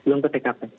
belum ke tkp